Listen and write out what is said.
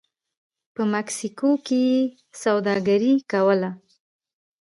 په مکسیکو کې یې سوداګري کوله